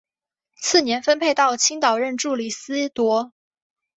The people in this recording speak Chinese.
次年分配到青岛任助理司铎。